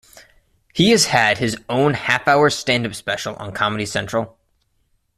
He has had his own half-hour stand-up special on Comedy Central.